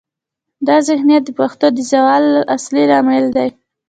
دا ذهنیت د پښتو د زوال اصلي لامل دی.